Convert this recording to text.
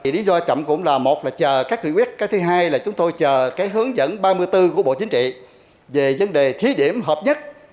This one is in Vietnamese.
lý do chậm cũng là một là chờ các nghị quyết cái thứ hai là chúng tôi chờ hướng dẫn ba mươi bốn của bộ chính trị về vấn đề thí điểm hợp nhất